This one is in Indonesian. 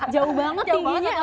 jauh banget tingginya el